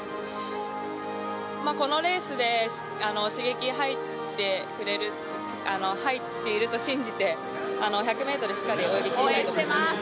このレースで刺激が入っていると信じて、１００ｍしっかり泳ぎきりたいと思います。